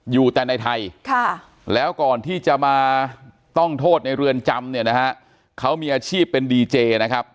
อยู่แต่ในไทยแล้วก่อนที่จะมาต้องโทษในเรือนจำเนี่ยนะฮะเขามีอาชีพเป็นดีเจนะครับ